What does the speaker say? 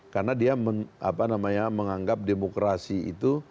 karena dia menganggap demokrasi itu